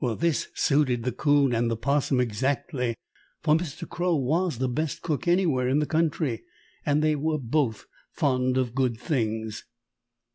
This suited the 'Coon and the 'Possum exactly, for Mr. Crow was the best cook anywhere in the country, and they were both fond of good things.